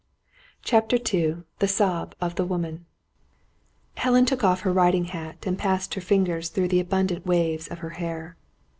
CHAPTER II THE SOB OF THE WOMAN Helen took off her riding hat, and passed her fingers through the abundant waves of her hair.